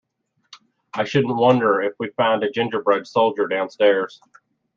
I shouldn't wonder if we found a ginger-bread soldier downstairs.